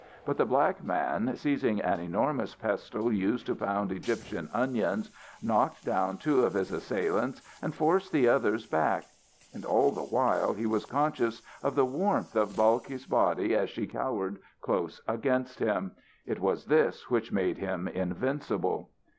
But the black man, seizing an enormous pestle used to pound Egyptian onions, knocked down two of his assailants and forced the others back. And all the while he was conscious of the warmth of Balkis' body as she cowered close against him; it was this which made him invincible.